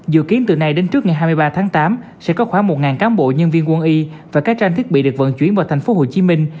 dự kiến từ nay đến trước ngày hai mươi ba tháng tám sẽ có khoảng một cán bộ nhân viên quân y và các trang thiết bị được vận chuyển vào thành phố hồ chí minh